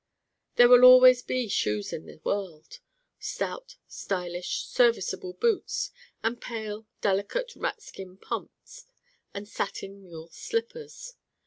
There will be always Shoes in the world: stout stylish serviceable boots, and pale delicate rat skin pumps, and satin mule slippers.